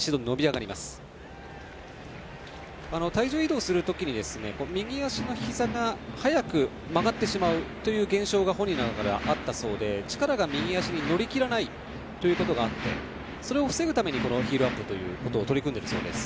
体重移動のときに右足のひざが早く曲がってしまうという現象が本人の中ではあったそうで力が右足に乗り切らないことがあってそれを防ぐためにヒールアップに取り組んでいるそうです。